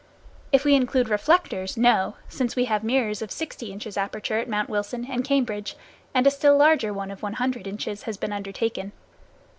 If we include reflectors, no, since we have mirrors of 60 inches aperture at Mt. Wilson and Cambridge, and a still larger one of 100 inches has been undertaken.